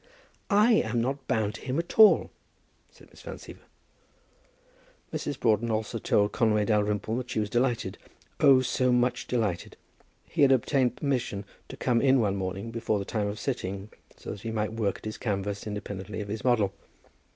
"I am not bound to him at all," said Miss Van Siever. Mrs. Broughton also told Conway Dalrymple that she was delighted, oh, so much delighted! He had obtained permission to come in one morning before the time of sitting, so that he might work at his canvas independently of his model.